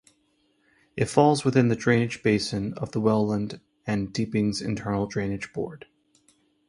It falls within the drainage basin of the Welland and Deepings Internal Drainage Board.